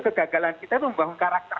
kegagalan kita membangun karakter